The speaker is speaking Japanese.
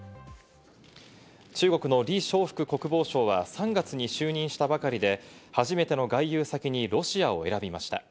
中国のリ・ショウフク国防相は、３月に就任したばかりで初めての外遊先にロシアを選びました。